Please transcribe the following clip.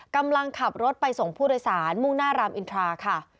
กำลังขับรถไปส่งผู้โดยสารมุ่งหน้ารามอินทราค่ะ